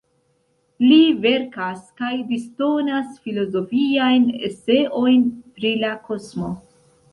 Li verkas kaj disdonas filozofiajn eseojn pri la kosmo.